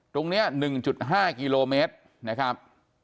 ตรงนี้๑๕กิโลเมตรนะครับ